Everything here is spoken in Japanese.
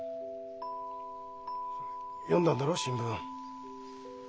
読んだんだろ？新聞。